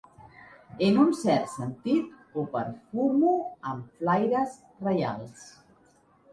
En un cert sentit, ho perfumo amb flaires reials.